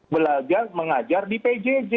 belajar mengajar di pjj